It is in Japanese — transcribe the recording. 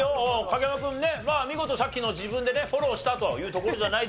影山君ねまあ見事さっきの自分でねフォローしたというところじゃないでしょうか。